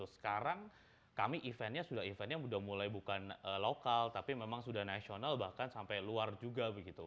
sekarang kami eventnya sudah eventnya sudah mulai bukan lokal tapi memang sudah nasional bahkan sampai luar juga begitu